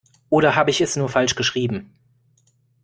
Oder habe ich es nur falsch geschrieben?